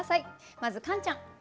まずカンちゃん。